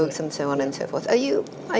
apakah anda senang dengan cara